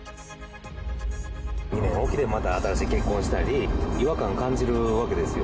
２年おきにまた新しく結婚したり、違和感を感じるわけですよ。